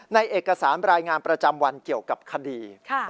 ในเอกสารรายงานประจำวันเกี่ยวกับคดี